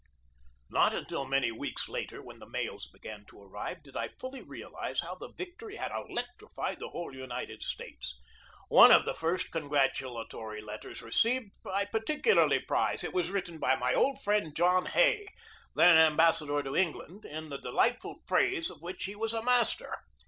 Not until many weeks later, when the mails began to arrive, did I fully realize how the victory had elec trified the whole United States. One of the first con gratulatory letters received I particularly prize. It was written by my old friend John Hay, then am bassador to England, in the delightful phrase of which he was a master.